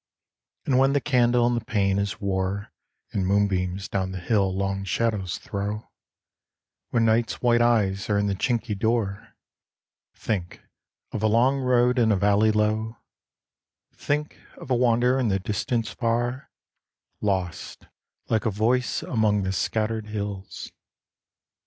And when the candle in the pane is wore, And moonbeams down the hill long shadows throw, When night's white eyes are in the chinky door, 102 THE VISION ON THE BRINK 103 Think of a long road in a valley low, Think of a wanderer in the distance far, Lost like a voice among the scattered hills.